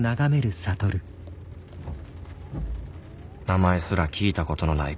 名前すら聞いたことのない